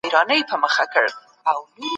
د اسلامي اقتصاد اصول ډېر روښانه دي.